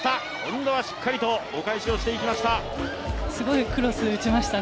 今度はしっかりとお返しをしていきました。